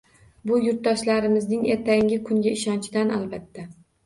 Bu yurtdoshlarimizning ertangi kunga ishonchidan, albatta.